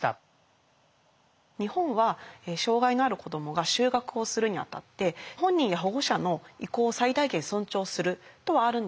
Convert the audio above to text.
日本は障害のある子どもが就学をするにあたって「本人や保護者の意向を最大限尊重する」とはあるんですが